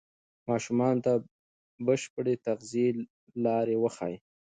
ماشومانو ته د بشپړې تغذیې لارې وښایئ.